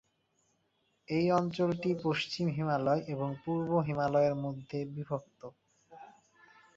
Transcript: এই অঞ্চলটি পশ্চিম হিমালয় এবং পূর্ব হিমালয়ের মধ্যে বিভক্ত।